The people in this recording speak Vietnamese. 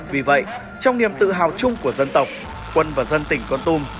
vì vậy trong niềm tự hào chung của dân tộc quân và dân tỉnh con tum